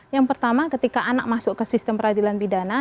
yang pertama ketika anak masuk ke sistem peradilan pidana